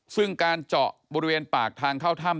ซึ่งการเจาะบริเวณปากทางเข้าถ้ำ